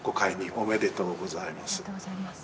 ありがとうございます。